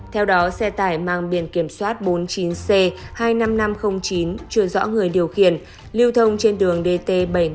theo đó xe tải mang biển kiểm soát bốn mươi chín c hai mươi năm nghìn năm trăm linh chín chưa rõ người điều khiển lưu thông trên đường dt bảy trăm năm mươi bốn